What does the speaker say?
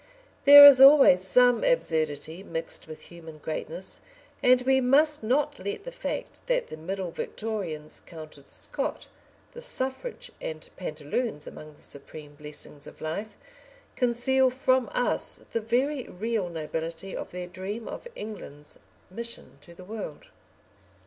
There is always some absurdity mixed with human greatness, and we must not let the fact that the middle Victorians counted Scott, the suffrage and pantaloons among the supreme blessings of life, conceal from us the very real nobility of their dream of England's mission to the world....